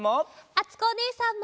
あつこおねえさんも。